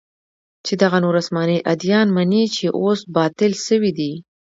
چې دغه نور اسماني اديان مني چې اوس باطل سوي دي.